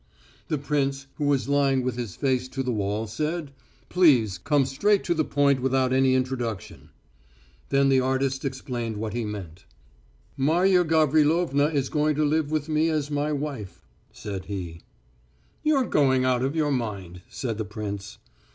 The prince, who was lying with his face to the wall, said, "Please come straight to the point without any introduction." Then the artist explained what he meant. "Marya Gavrilovna is going to live with me as my wife," said he. "You're going out of your mind," said the prince.